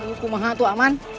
aku mengatakan aman